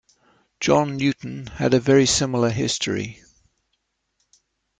John Newton had a very similar history.